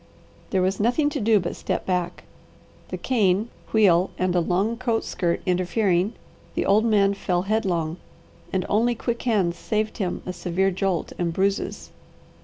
There was nothing to do but step back. The cane, wheel, and a long coat skirt interfering, the old man fell headlong, and only quick hands saved him a severe jolt and bruises.